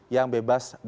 yang bebas dan berkualitas